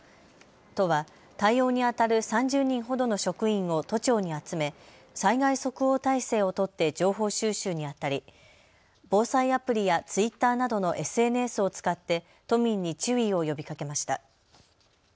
都は対応にあたる３０人ほどの職員を都庁に集め災害即応態勢を取って情報収集にあたり防災アプリやツイッターなどのＳＮＳを使って都民に注意を呼びかけました。